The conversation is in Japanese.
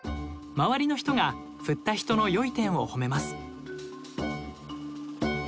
周りの人が振った人の良い点をほめます。